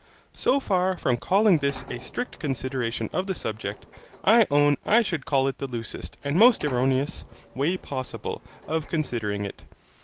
So far from calling this a strict consideration of the subject, I own I should call it the loosest, and most erroneous, way possible, of considering it.